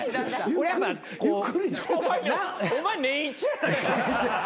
お前年１やないか。